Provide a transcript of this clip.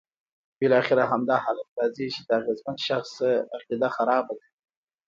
بالاخره همدا حالت راځي چې د اغېزمن شخص عقیده خرابه ده.